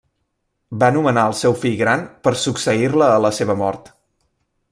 Va nomenar al seu fill gran per succeir-la a la seva mort.